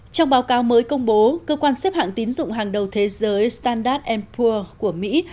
trong báo cáo mới công bố cơ quan xếp hạng tín dụng hàng đầu thế giới standard poor s của mỹ